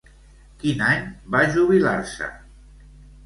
Quin any va jubilar-se?